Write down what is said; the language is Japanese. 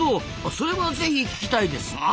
それはぜひ聞きたいですなあ。